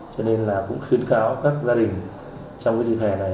cho nên là cũng khuyến cáo các gia đình trong cái dịp hè này